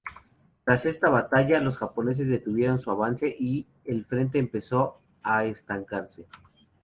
Tras esta batalla, los japoneses detuvieron su avance y el frente empezó a estancarse.